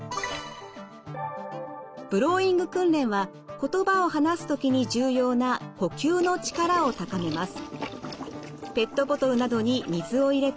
ブローイング訓練は言葉を話す時に重要な呼吸の力を高めます。